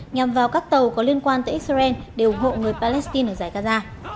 nhằm vào các tàu có liên quan tới israel để ủng hộ người palestine ở giải gaza